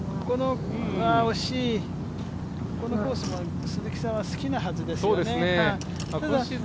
惜しい、このコースも鈴木さんは好きなはずですね。